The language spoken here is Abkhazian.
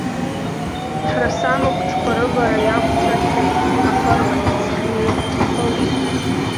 Ҳрасамахә ҽқәа рывара иақәҵәашеит афырмахьц, ҳнеиԥыххылеит.